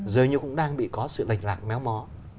rồi cũng đang bị có sự lệch lạc méo mó